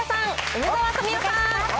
梅沢富美男さん。